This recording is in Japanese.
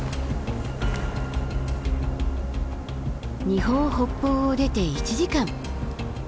Ⅱ峰北峰を出て１時間。